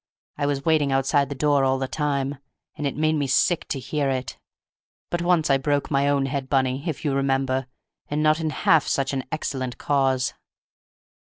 I was waiting outside the door all the time, and it made me sick to hear it. But I once broke my own head, Bunny, if you remember, and not in half such an excellent cause!"